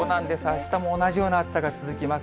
あしたも同じような暑さが続きます。